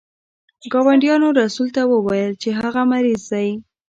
ګاونډیانو رسول ته وویل چې هغه مریض دی.